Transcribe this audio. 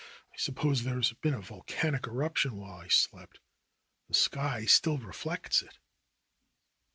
I suppose there has been a volcanic eruption while I slept. The sky still reflects it."